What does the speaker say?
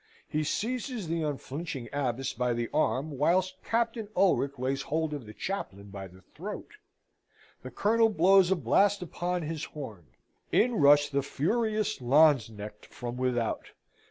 He seizes the unflinching Abbess by the arm, whilst Captain Ulric lays hold of the chaplain by the throat. The Colonel blows a blast upon his horn: in rush his furious Lanzknechts from without.